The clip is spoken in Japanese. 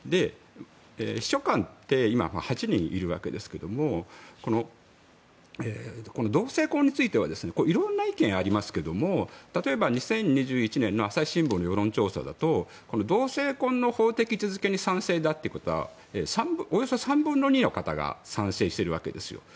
秘書官って今、８人いるわけですけれど同性婚については色んな意見がありますが例えば、２０２１年の朝日新聞の世論調査だと同性婚の法的手続きに賛成だということはおよそ３分の２の方が賛成しているわけですよ。